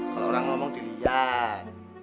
kalau orang ngomong melihat